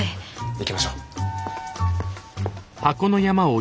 行きましょう。